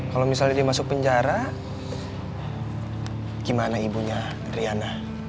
kalau misalnya dia masuk penjara gimana ibunya riana